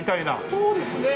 そうですね。